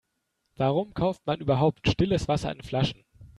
Warum kauft man überhaupt stilles Wasser in Flaschen?